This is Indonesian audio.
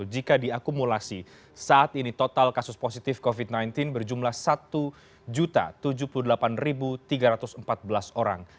jika diakumulasi saat ini total kasus positif covid sembilan belas berjumlah satu tujuh puluh delapan tiga ratus empat belas orang